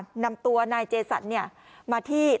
กลุ่มตัวเชียงใหม่